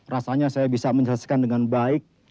rasanya saya bisa menjelaskan dengan baik